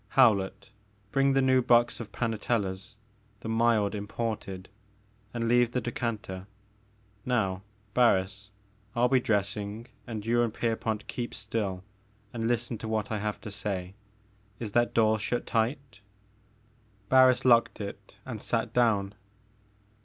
Howlett, bring the new box of Panatella's, — the mild imported ;— ^and leave the decanter. Now Barris, I 41 be dressing, and you and Pierpont keep still and listen to what I have to say. Is that door shut tight ?" Barris locked it and sat down.